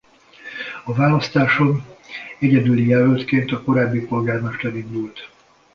A választáson egyedüli jelöltként a korábbi alpolgármester indult.